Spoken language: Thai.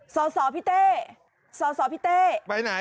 ส่อพี่เต้พี่เต้ฉุกว่าด้วยนะคะ